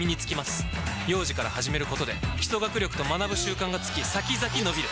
幼児から始めることで基礎学力と学ぶ習慣がつき先々のびる！